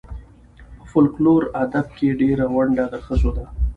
په فولکور ادب کې ډېره ونډه د ښځو ده.